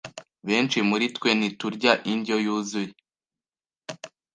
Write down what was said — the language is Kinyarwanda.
Benshi muritwe ntiturya indyo yuzuye.